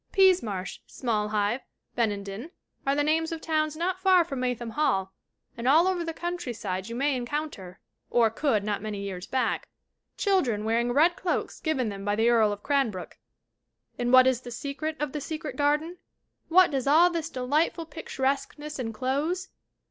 Peasemarsh, Smallhive, Benenden are the names of towns not far from Maytham Hall and all over the countryside you may encounter, or could not many years back, children wearing red cloaks given them by the Earl of Cranbrook. And what is the secret of The Secret Garden? What does all this delightful picturesqueness enclose?